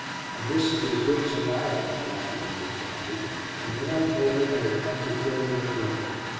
"A miss is as good as a mile," I laughingly replied, and then I told them I had come to film them at work.